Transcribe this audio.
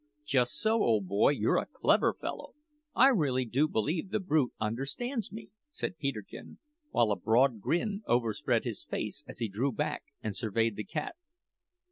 "Just so, old boy; you're a clever fellow. I really do believe the brute understands me!" said Peterkin, while a broad grin overspread his face as he drew back and surveyed the cat.